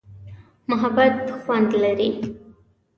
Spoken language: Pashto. محبت خوند لري.